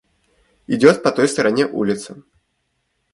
– Идет по той стороне улицы.